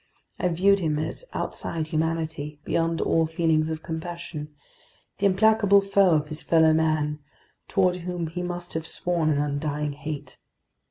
I viewed him as outside humanity, beyond all feelings of compassion, the implacable foe of his fellow man, toward whom he must have sworn an undying hate!